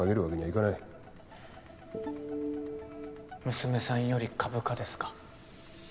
娘さんより株価ですか。